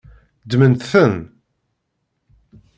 Ddmemt-ten.